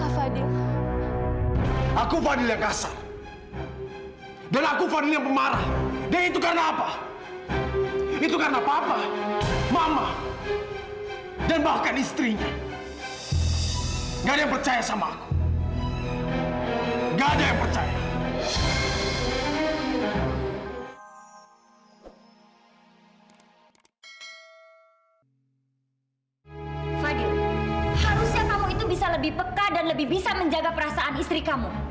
sampai jumpa di video selanjutnya